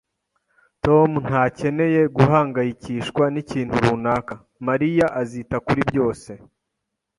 Tom ntakeneye guhangayikishwa n'ikintu runaka. Mariya azita kuri byose